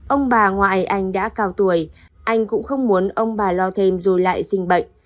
ông bà ngoài anh đã cao tuổi anh cũng không muốn ông bà lo thêm rồi lại sinh bệnh